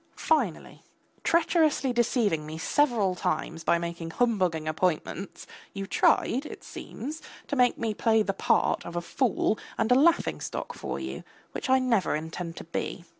Finally, treacherously deceiving me several times by making humbugging appointments, you tried, it seems, to make me play the part of a fool and a laughing stock for you, which I never intend to be.